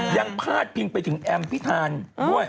พาดพิงไปถึงแอมพิธานด้วย